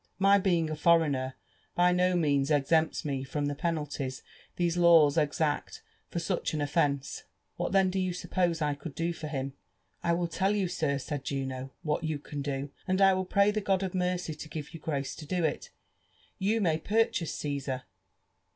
• My being a Ibreigtoer by no means eiempls me from the penalties these laws etact for such an bt* fenco.— What thien do yon snpposo I could do for him?" I will tell yon. sir/' said Juno, " what you can do, and I will pray the God of mercy lo giTo you grace to do It. You may paithase C«sar."